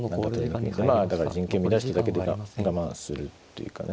まあだから陣形乱しただけで我慢するというかね。